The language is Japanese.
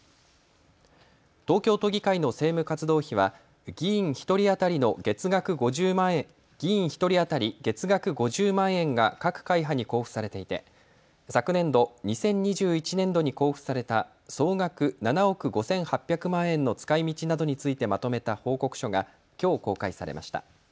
東京都議会の政務活動費は議員１人当たり月額５０万円が各会派に交付されていて昨年度、２０２１年度に交付された総額７億５８００万円の使いみちなどについてまとめた報告書がきょう公開されました。